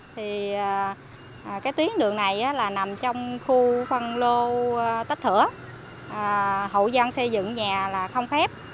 thì cái tuyến đường này là nằm trong khu phân lô tách thửa hậu dân xây dựng nhà là không phép